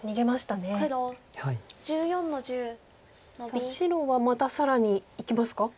さあ白はまた更にいきますか？